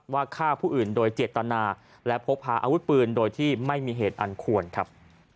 ฆ่าผู้อื่นโดยเจตนาและพกพาอาวุธปืนโดยที่ไม่มีเหตุอันควรครับ